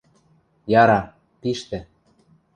Яра, пиштӹ.